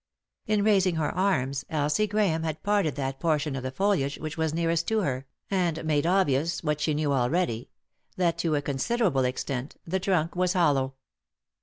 In raising her arms Elsie Grahame had parted that portion of the foliage which was nearest to her, and made obvious what she knew already, that to a considerable extent the trunk was hollow.